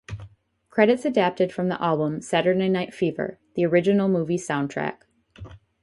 Credits adapted from the album "Saturday Night Fever: The Original Movie Sound Track".